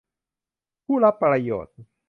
ผู้รับประโยชน์